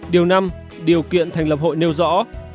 điều năm điều kiện thành lập hội nêu rõ